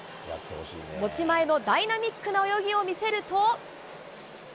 持ち前のダイナミックな泳ぎを見せると。